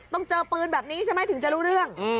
เจอปืนแบบนี้ใช่ไหมถึงจะรู้เรื่อง